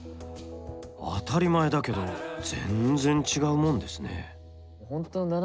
当たり前だけど全然違うもんですね。